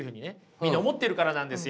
みんな思ってるからなんですよ。